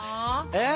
えっ？